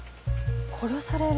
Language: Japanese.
殺される？